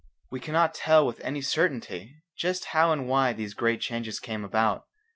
We cannot tell with any certainty just how and why these great changes came about.